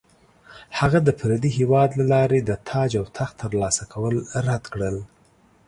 هغه د پردي هیواد له لارې د تاج او تخت ترلاسه کول رد کړل.